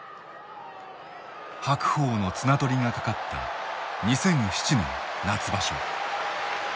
白鵬の綱取りがかかった２００７年夏場所。